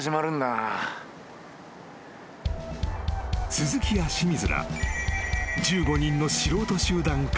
［鈴木や清水ら］